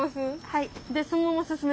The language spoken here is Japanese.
はい。